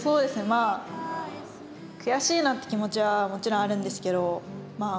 まあ悔しいなって気持ちはもちろんあるんですけどまあ